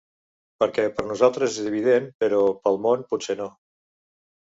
Perquè per nosaltres és evident, però pel món potser no.